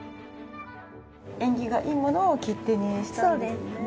縁起がいいものを切手にしたんですね。